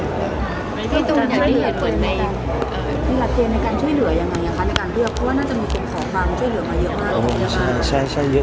มีหลักเกณฑ์ในการช่วยเหลืออย่างไรในการเลือกเพราะว่าน่าจะมีกลุ่มของบางช่วยเหลือมาเยอะมาก